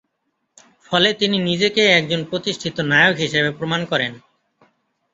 ফলে তিনি নিজেকে একজন প্রতিষ্ঠিত নায়ক হিসেবে প্রমাণ করেন।